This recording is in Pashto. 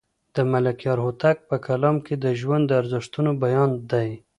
د ملکیار هوتک په کلام کې د ژوند د ارزښتونو بیان دی.